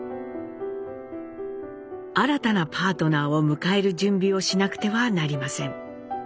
新たなパートナーを迎える準備をしなくてはなりません。